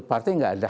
partai tidak ada